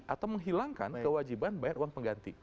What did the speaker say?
atau menghilangkan kewajiban bayar uang pengganti